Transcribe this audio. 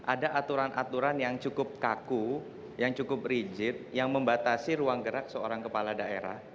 ada aturan aturan yang cukup kaku yang cukup rigid yang membatasi ruang gerak seorang kepala daerah